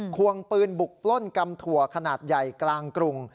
ควงปืนบุกปล้นกำถั่วขนาดใหญ่กลางกรุง